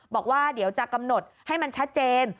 บอกว่าเดี๋ยวจะกำหนดให้มันชัดเจน